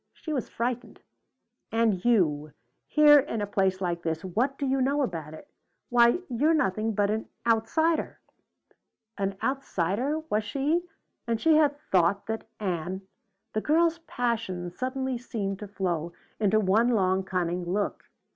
She was frightened. "And you! Here in a place like this what do you know about it? Why you're nothing but an outsider!" An outsider, was she? and she had thought that Ann The girl's passion seemed suddenly to flow into one long, cunning look.